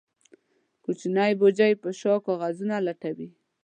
کوچنی بوجۍ په شا کاغذونه ټولوي.